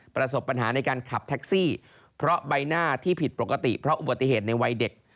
ประสบปัญหาในการขับแท็กซี่เพราะใบหน้าที่ผิดปกติเพราะอุบัติเหตุในวัยเด็ก